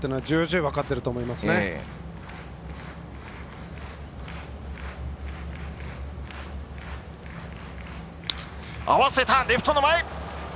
合わせた、レフトの前。